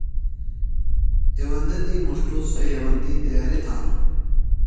ہیوندہ دی مُݜٹوۡ سوۡ ہیوندی تیاریۡ تھانوۡ۔